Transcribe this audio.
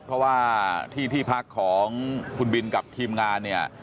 เพราะว่าที่ที่พักของคุณบินกับทีมงานเนี่ย